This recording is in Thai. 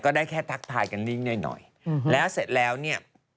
ได้แค่ทักทายกันนิ่งหน่อยแล้วเสร็จแล้วเนี่ย